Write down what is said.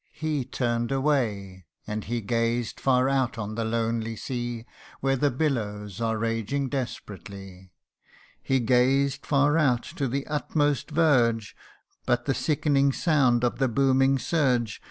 He turn'd away, And he gazed far out on the lonely sea, Where the billows are raging desperately ; He gazed far out to the utmost verge, But the sickening sound of the booming surge, CANTO IV.